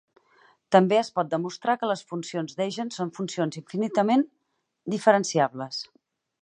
També es pot demostrar que les funcions d'eigen són funcions infinitament diferenciables.